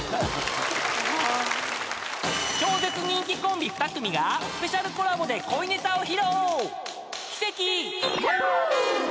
［超絶人気コンビ２組がスペシャルコラボで恋ネタを披露］